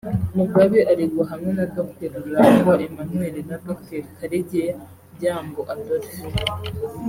Mugabe aregwa hamwe na Dr Rurangwa Emmanuel na Dr Karegeya Byambu Adolphe